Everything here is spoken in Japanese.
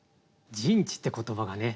「陣地」って言葉がね